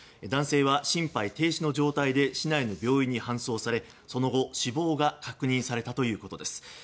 男性は心肺停止の状態で市内の病院に搬送されその後、死亡が確認されたということです。